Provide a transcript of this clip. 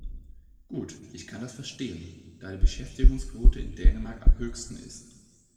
Gut, ich kann das verstehen, da die Beschäftigungsquote in Dänemark am höchsten ist.